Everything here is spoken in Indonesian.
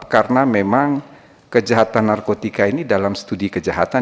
karena memang kejahatan narkotika ini dalam studi kejahatan